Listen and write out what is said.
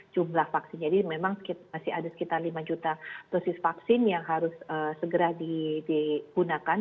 jadi memang masih ada sekitar lima juta dosis vaksin yang harus segera dihasilkan